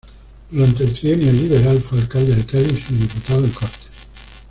Durante el trienio Liberal fue alcalde de Cádiz y diputado en Cortes.